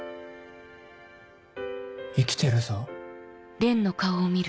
生きてるぞ。